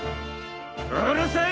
うるさい！